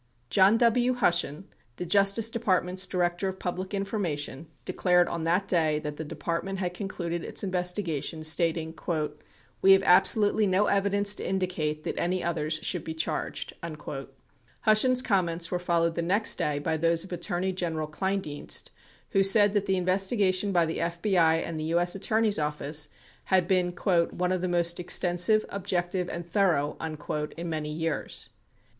John W. Hushen, the Justice Department's Director of Public In formation, declared on that day that the Department had concluded its investigation, stating : "We have absolutely no evidence to indicate that any others should be charged." 31 Hushen's comments were fol lowed the next day by those of Attorney General Ivleindienst, who said that the investigation by the FBI and the U.S. Attorney's Office had been "one of the most extensive, objective, and thorough" in many years.